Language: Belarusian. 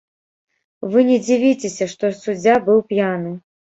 Вы не дзівіцеся, што суддзя быў п'яны.